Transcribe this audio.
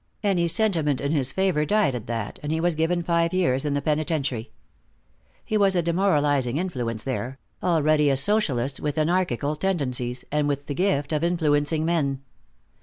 Any sentiment in his favor died at that, and he was given five years in the penitentiary. He was a demoralizing influence there, already a socialist with anarchical tendencies, and with the gift of influencing men.